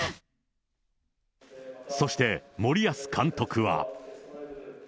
そして、森保監督は。